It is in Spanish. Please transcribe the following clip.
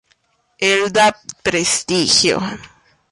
Elda Prestigio.